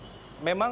ini termasuk smartest